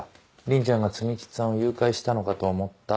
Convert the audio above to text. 鈴ちゃんが摘木っつぁんを誘拐したのかと思った。